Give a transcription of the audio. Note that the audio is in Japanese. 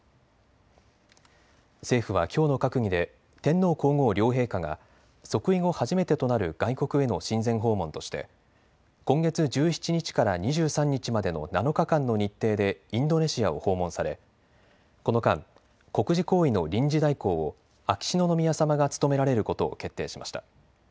政府はきょうの閣議で天皇皇后両陛下が即位後初めてとなる外国への親善訪問として今月１７日から２３日までの７日間の日程でインドネシアを訪問されこの間、国事行為の臨時代行を秋篠宮さまが務められることを決定しました。